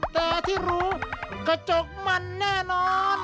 แต่ที่รู้กระจกมันแน่นอน